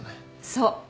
そう。